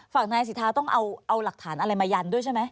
ฝั่งนายสิทธาต้องเอาหลักฐานอะไรมายันด้วยใช่ไหม